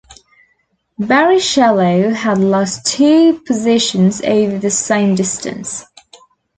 Barrichello had lost two positions over the same distance.